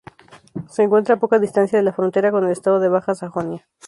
Se encuentra a poca distancia de la frontera con el estado de Baja Sajonia.